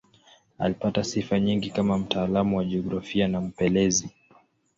Alipata sifa nyingi kama mtaalamu wa jiografia na mpelelezi.